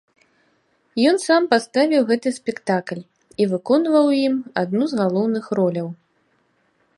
Ён сам паставіў гэты спектакль і выконваў у ім адну з галоўных роляў.